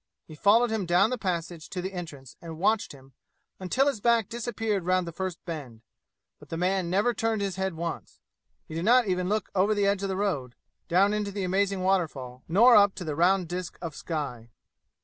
He followed him down the passage to the entrance and watched him until his back disappeared round the first bend, but the man never turned his head once. He did not even look over the edge of the road, down into the amazing waterfall, nor up to the round disk of sky.